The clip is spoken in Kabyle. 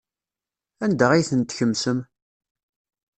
Anda ay ten-tkemsem?